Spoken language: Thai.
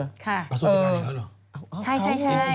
ภาพสูติการอยู่ข้างนั้นหรือ